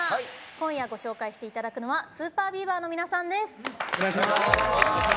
今夜、ご紹介していただくのはＳＵＰＥＲＢＥＡＶＥＲの皆さんです。